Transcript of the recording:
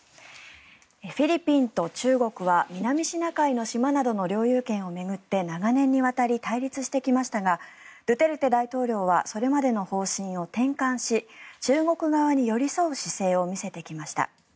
フィリピンと中国は南シナ海の島などの領有権を巡って長年にわたり対立してきましたがドゥテルテ大統領はそれまでの方針を転換し中国側に寄り添う姿勢を見せてきました。